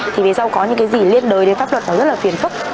thì vì sao có những cái gì liên đối đến pháp luật nó rất là phiền phức